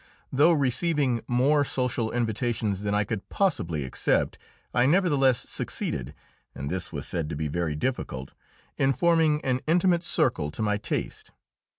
Though receiving more social invitations than I could possibly accept, I nevertheless succeeded and this was said to be very difficult in forming an intimate circle to my taste.